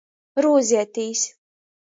Rūzietīs.